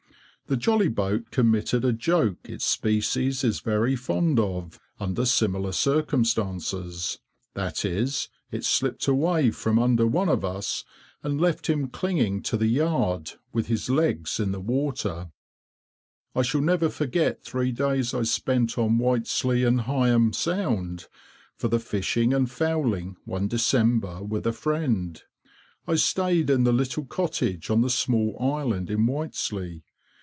The jolly boat committed a joke its species is very fond of, under similar circumstances; that is, it slipped away from under one of us, and left him clinging to the yard, with his legs in the water. [Picture: Martham Broad] I shall never forget three days I spent, on Whiteslea and Heigham Sound, for the fishing and fowling, one December with a friend. I stayed in the little cottage on the small island in Whiteslea.